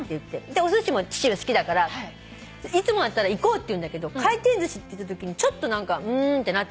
おすしも父が好きだからいつもだったら行こうって言うんだけど回転寿司って言ったときにちょっとうーんってなったの。